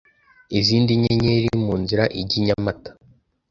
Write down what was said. izindi nyenyeri mu Nzira ijya nyamata